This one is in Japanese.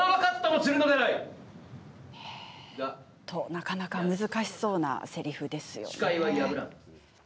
なかなか難しそうなせりふですよね。